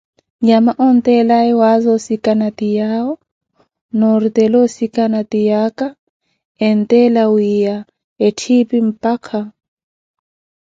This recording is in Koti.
Nyama onttelaawe waaza osikana ti yaawo, noorutela osikana kiina ti yaaka, enttela wiiya ettipi mpakha.